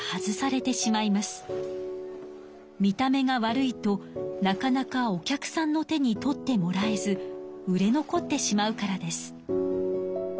見た目が悪いとなかなかお客さんの手に取ってもらえず売れ残ってしまうからです。